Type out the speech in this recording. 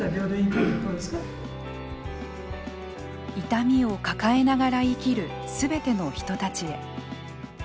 痛みを抱えながら生きるすべての人たちへ。